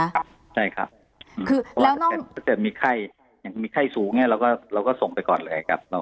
ครับใช่ครับถ้าเจอมีไข้อย่างมีไข้สูงเนี่ยเราก็ส่งไปก่อนเลยนะครับ